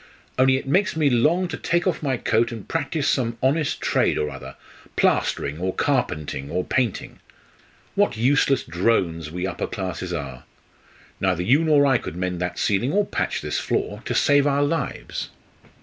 "Only it makes me long to take off my coat and practise some honest trade or other plastering, or carpentering, or painting. What useless drones we upper classes are! Neither you nor I could mend that ceiling or patch this floor to save our lives."